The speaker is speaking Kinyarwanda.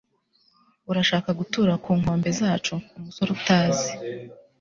urashaka gutura ku nkombe zacu, umusore utazi